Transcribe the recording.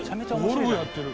ゴルフやってる。